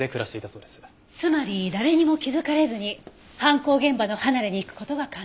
つまり誰にも気づかれずに犯行現場の離れに行く事が可能。